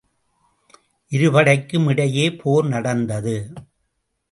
இருபடைக்கும் இடையே போர் நடந்தது.